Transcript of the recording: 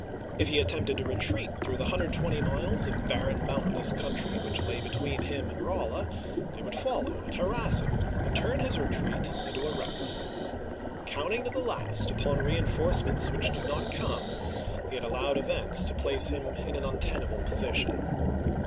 If lie attempted to retreat through the 120 miles of barren mountain ous country which lay between him and Rolla, they would follow and harass him and turn his retreat into a rout. Counting to the last upon reenforce ments which did not come, he had allowed events to place him in an untenable position.